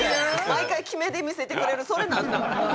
毎回決めで見せてくれるそれなんなん？